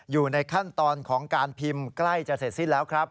อยู่ในขั้นตอนของการพิมพ์ใกล้จะเสร็จสิ้นแล้วครับ